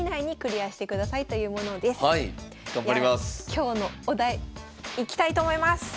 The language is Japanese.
今日のお題いきたいと思います！